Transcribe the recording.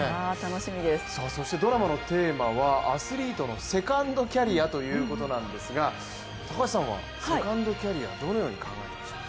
そしてドラマのテーマはアスリートのセカンドキャリアということなんですが高橋さんはセカンドキャリアどのように考えてらっしゃいましたか？